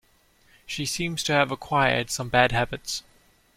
She seems to have acquired some bad habits